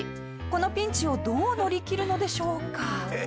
このピンチをどう乗り切るのでしょうか？